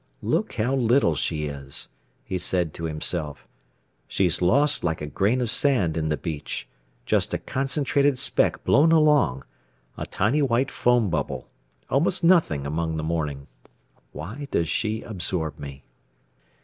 "Look how little she is!" he said to himself. "She's lost like a grain of sand in the beach—just a concentrated speck blown along, a tiny white foam bubble, almost nothing among the morning. Why does she absorb me?"